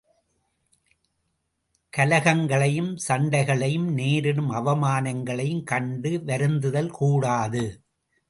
கலகங்களையும் சண்டைகளையும் நேரிடும் அவமானங்களையும் கண்டு வருந்துதல் கூடாது.